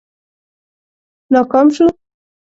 ناکام شو.